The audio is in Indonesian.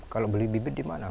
kalau beli bibit di mana